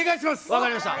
分かりました。